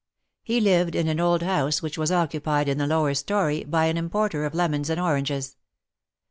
He lived in an old house which was occupied in the lower story by an importer of lemons and oranges.